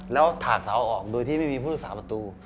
แล้วถากเสาออกโดยที่ไม่มีผู้รักษาประตู